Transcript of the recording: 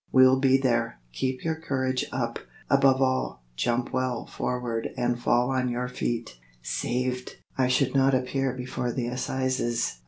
We'll be there. Keep your courage up; above all, jump well forward and fall on your feet." Saved! I should not appear before the Assizes!